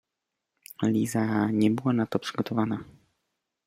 Liza nie była na to przygotowana.